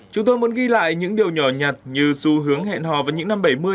chúng tôi muốn ghi lại những điều nhỏ nhặt như xu hướng hẹn hò vào những năm bảy mươi